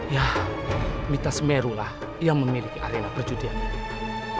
ya mita semeru lah yang memiliki arena perjudian ini